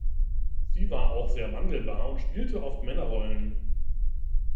Sie war auch sehr wandelbar und spielte oft Männerrollen.